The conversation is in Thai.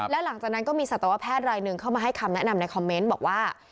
แล้วหลังจากนั้นก็มีสัตวแพทย์รายหนึ่งเข้ามาให้คำแนะนำในคอมเมนต์บอกว่า